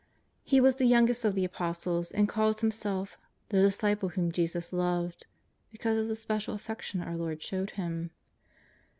He was the youngest of the Apostles, and calls himself '' the disciple whom Jesus loved," because of the special affection our Lord showed him.